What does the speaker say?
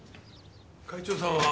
会長さんは？